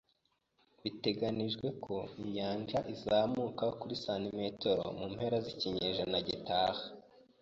Biteganijwe ko inyanja izamuka kuri santimetero mu mpera z'ikinyejana gitaha.